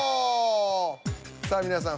さあ皆さん